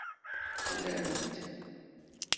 Xlan-t.